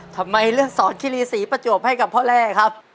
ทำไมเลือกสอนคิรีศรีประจวบให้กับพ่อแร่ครับ